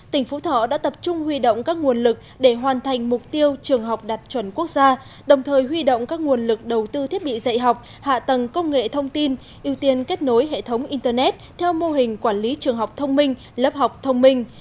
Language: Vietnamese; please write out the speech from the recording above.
tỉnh phú thọ đã tập trung huy động các nguồn lực để hoàn thành mục tiêu trường học đạt chuẩn quốc gia đồng thời huy động các nguồn lực đầu tư thiết bị dạy học hạ tầng công nghệ thông tin ưu tiên kết nối hệ thống internet theo mô hình quản lý trường học thông minh lớp học thông minh